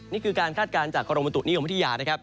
นี่คือการคาดการณ์จากกรมบุตุนิยมวิทยานะครับ